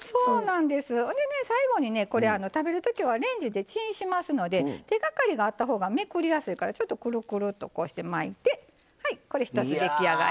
最後に、食べるときはレンジでチンしますので手がかりがあったほうがめくりやすいから、ちょっとくるくるーと巻いてこれで一つ出来上がり。